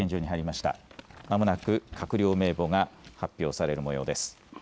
まもなく閣僚名簿が発表されるもようです。